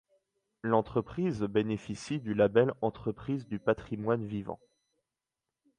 L'entreprise bénéficie du label Entreprise du patrimoine vivant.